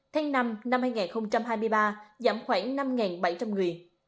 tháng năm năm hai nghìn hai mươi ba giảm khoảng năm bảy trăm linh người